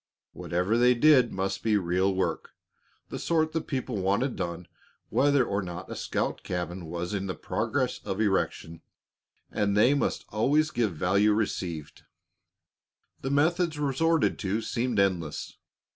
Whatever they did must be real work, the sort that people wanted done whether or not a scout cabin was in process of erection; and they must always give value received. The methods resorted to seemed endless.